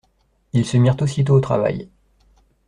Ils se mirent aussitôt au travail.